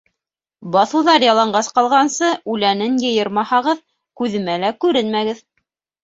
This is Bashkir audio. Баҫыуҙар яланғас ҡалғансы үләнен йыйырмаһағыҙ, күҙемә лә күренмәгеҙ.